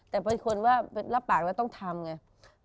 แต่พออีกคนว่ารับปากแล้วต้องทำไง